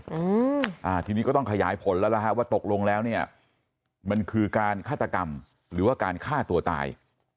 อืมอ่าทีนี้ก็ต้องขยายผลแล้วล่ะฮะว่าตกลงแล้วเนี่ยมันคือการฆาตกรรมหรือว่าการฆ่าตัวตาย